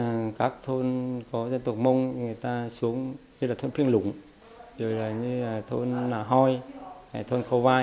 đối với các thôn có dân tộc mông người ta xuống như là thôn phiên lũng rồi là như là thôn hòi thôn khâu vai